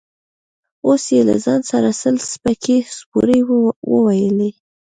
اوس يې له ځان سره سل سپکې سپورې وويلې.